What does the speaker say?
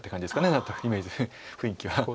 何となくイメージ雰囲気は。